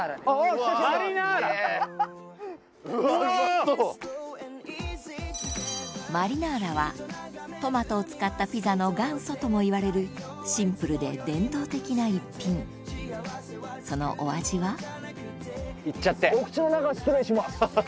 そしてマリナーラはトマトを使ったピザの元祖ともいわれるシンプルで伝統的な一品そのお味はいっちゃって。